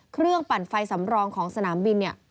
เครื่องปั่นไฟสำรองของสนามบิน